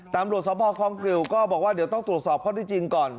ตำรวจสภคลองกริวก็บอกว่าเดี๋ยวต้องตรวจสอบข้อที่จริงก่อน